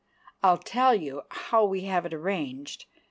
I'll tell you how we have it arranged.